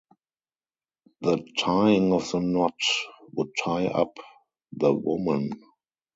The tying of the knot would tie up the woman.